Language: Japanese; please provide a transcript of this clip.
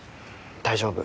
大丈夫？